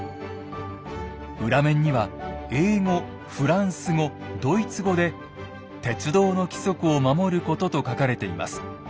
裏面には英語・フランス語・ドイツ語で「鉄道の規則を守ること」と書かれています。